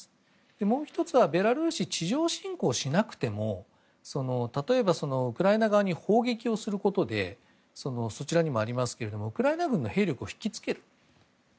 もう１つはベラルーシは地上侵攻しなくても例えばウクライナ側に砲撃をすることでウクライナ軍の兵力を引き付ける。